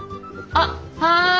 あっはい！